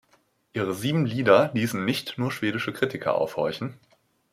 Ihre sieben Lieder ließen nicht nur schwedische Kritiker aufhorchen.